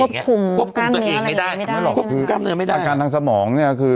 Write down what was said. อย่างเงี้ยควบคุมตัวเองไม่ได้ไม่ได้อาการทางสมองเนี่ยคือ